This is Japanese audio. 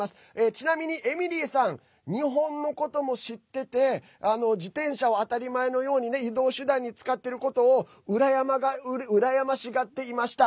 ちなみにエミリーさん日本のことも知ってて自転車を当たり前のように移動手段に使っていることを羨ましがっていました。